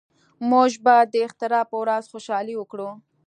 موږ به د اختر په ورځ خوشحالي وکړو